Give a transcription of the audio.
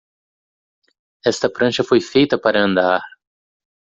Esta prancha foi feita para andar.